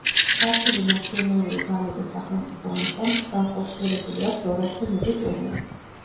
ქართული ნაციონალური ბალეტის სახელმწიფო ანსამბლს განხორციელებული აქვს ორასზე მეტი ტურნე.